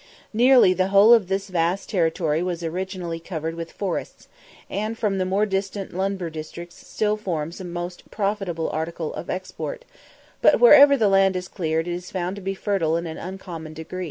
Nearly the whole of this vast territory was originally covered with forests, and from the more distant districts timber still forms a most profitable article of export; but wherever the land is cleared it is found to be fertile in an uncommon degree.